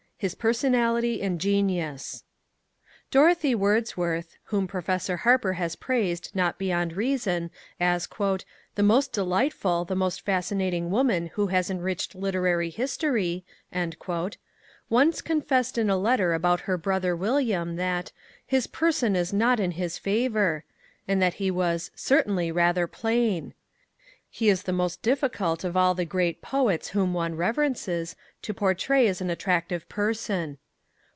HIS PERSONALITY AND GENIUS Dorothy Wordsworth whom Professor Harper has praised not beyond reason as "the most delightful, the most fascinating woman who has enriched literary history" once confessed in a letter about her brother William that "his person is not in his favour," and that he was "certainly rather plain." He is the most difficult of all the great poets whom one reverences to portray as an attractive person.